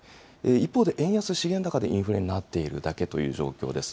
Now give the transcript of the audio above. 一方で、円安、資源高でインフレになっているだけという状況です。